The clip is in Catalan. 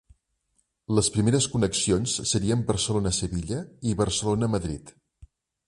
Les primeres connexions serien Barcelona - Sevilla i Barcelona - Madrid.